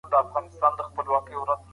استاد پسرلی له دې کارونو راضي دی.